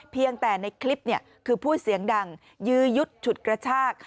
เพียงแต่ในคลิปคือพูดเสียงดังยื้อยุดฉุดกระชาก